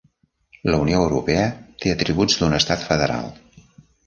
La Unió Europea té atributs d'un estat federal.